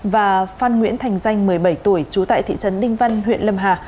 và phan nguyễn thành danh một mươi bảy tuổi trú tại thị trấn đinh văn huyện lâm hà